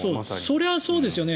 そりゃそうですよね